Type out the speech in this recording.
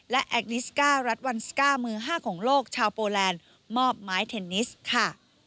และแอคนิสก้ารัฐวันสก้ามือ๕ของโลกชาวโปแลนด์มอบไม้เทนนิสค่ะ